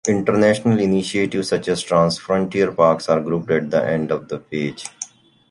International initiatives such as transfrontier parks are grouped at the end of the page.